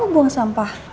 mau buang sampah